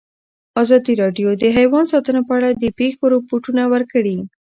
ازادي راډیو د حیوان ساتنه په اړه د پېښو رپوټونه ورکړي.